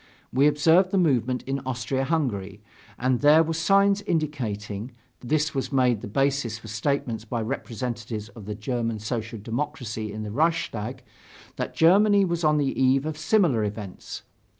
We observed the movement in Austria Hungary, and there were signs indicating (this was made the basis for statements by representatives of the German Social Democracy in the Reichstag) that Germany was on the eve of similar events.